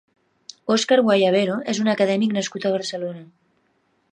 Oscar Guayabero és un acadèmic nascut a Barcelona.